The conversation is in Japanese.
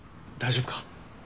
大丈夫か？